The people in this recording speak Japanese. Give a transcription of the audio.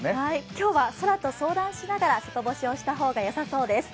今日は空と相談しながら外干しをした方がよさそうです。